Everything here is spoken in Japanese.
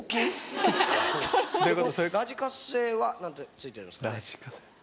ラジカセは何て付いてるんですかね？